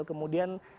kemudian ada misalnya